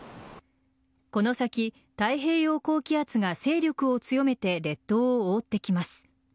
この先、太平洋高気圧が勢力を強めて列島を覆ってきます。